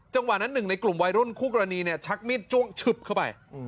จังหวะนั้นหนึ่งในกลุ่มวัยรุ่นคู่กรณีเนี่ยชักมีดจ้วงชึบเข้าไป